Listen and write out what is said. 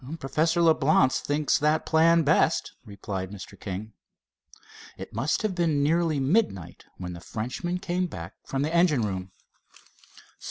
"Professor Leblance thinks that plan best," replied Mr. King. It must have been nearly midnight when the Frenchman came back from the engine room.